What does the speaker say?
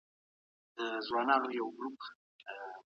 ایا ملي بڼوال وچ انار اخلي؟